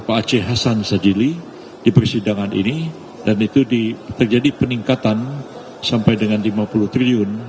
pak aceh hasan sajili di persidangan ini dan itu terjadi peningkatan sampai dengan lima puluh triliun